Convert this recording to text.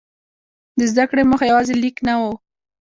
د زده کړې موخه یوازې لیک نه وه.